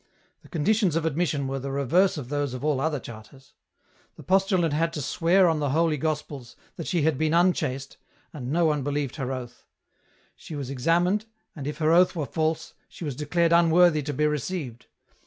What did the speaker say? The conditions of admission were the reverse of those of all other charters. The postulant had to swear on the holy Gospels that she had been unchaste, and no one believed her oath ; she was examined, and if her oath were false, she was declared unworthy to be received.